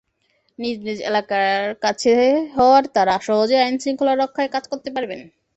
নিজ নিজ এলাকার কাছে হওয়ায় তাঁরা সহজেই আইনশৃঙ্খলা রক্ষায় কাজ করতে পারবেন।